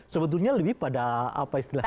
sebetulnya lebih pada apa istilahnya